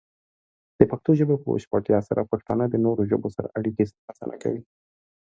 د پښتو ژبې په بشپړتیا سره، پښتانه د نورو ژبو سره اړیکې اسانه کوي.